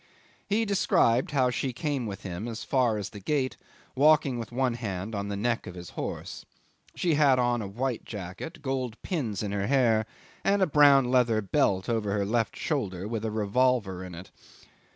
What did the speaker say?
He described how she came with him as far as the gate, walking with one hand on the neck of his horse; she had on a white jacket, gold pins in her hair, and a brown leather belt over her left shoulder with a revolver in it.